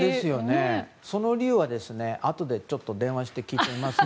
その理由はあとで電話して聞いてみます。